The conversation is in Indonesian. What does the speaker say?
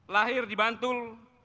lahir di bantul